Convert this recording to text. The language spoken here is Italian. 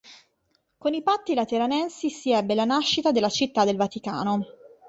Con i Patti Lateranensi si ebbe la nascita della Città del Vaticano.